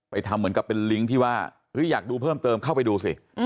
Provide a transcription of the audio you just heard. ทำเหมือนกับเป็นลิงก์ที่ว่าอยากดูเพิ่มเติมเข้าไปดูสิ